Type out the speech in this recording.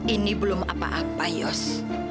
ini belum apa apa yos